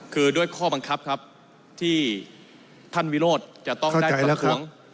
คือด้วยข้อบังคับครับที่ท่านวิโรธจะต้องได้ประท้วง